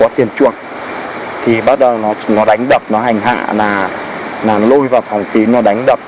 thì bắt đầu nó đánh đập nó hành hạ nó lôi vào phòng phí nó đánh đập